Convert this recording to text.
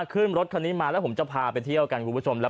ขึ้นรถคันนี้มาแล้วผมจะพาไปเที่ยวกันคุณผู้ชมแล้ว